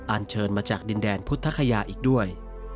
เชิญมาจากดินแดนพุทธคยาอีกด้วย